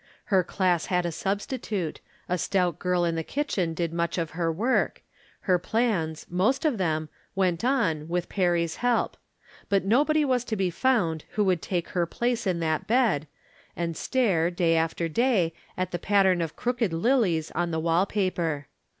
Pier class had a substitute ; a stout girl in the kitchen did much of her work ; her plans, most of them, went on, with Perry's help ; but nobody was to be found who would take her place on that bed, and stare, day after day, at the pattern of crooked lilies on the wall paper.